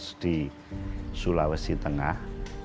bertugas di sulawesi tengah